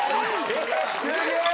すげえ！